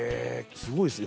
すごいですね。